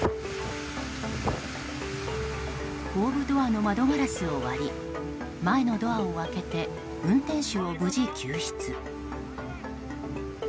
後部ドアの窓ガラスを割り前のドアを開けて運転手を無事救出。